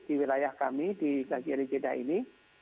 di wilayah kami di kaki kaki jeddah ini